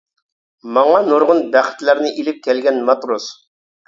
ماڭا نۇرغۇن بەختلەرنى ئېلىپ كەلگەن ماتروس.